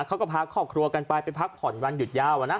เขาก็พาครอบครัวกันไปไปพักผ่อนวันหยุดยาวอะนะ